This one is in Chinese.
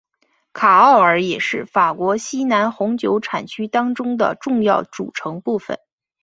卡奥尔也是法国西南红酒产区当中的重要组成部分。